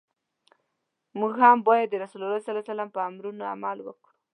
موږ هم باید د رسول الله ص په امرونو عمل وکړو.